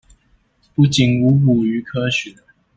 不僅無補於科學